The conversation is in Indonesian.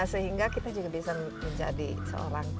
sehingga kita juga bisa menjadi seorang